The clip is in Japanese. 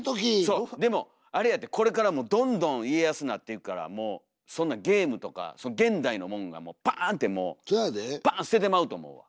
そうでもあれやてこれからもどんどん家康なっていくからもうそんなんゲームとか現代のもんがバーンってもうバーン捨ててまうと思うわ。